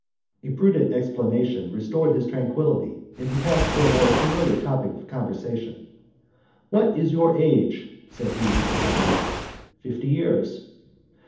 A prudent explanation restored his tranquillity; and he passed to a more familiar topic of conversation. "What is your age?" said he to the cadhi. "Fifty years."